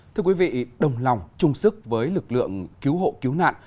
thưa quý vị đồng lòng chung sức với lực lượng cứu hộ cứu nạn